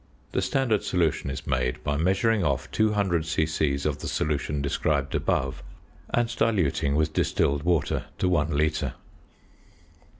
The standard solution is made by measuring off 200 c.c. of the solution described above, and diluting with distilled water to 1 litre.